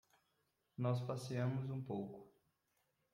Nós passeamos um pouco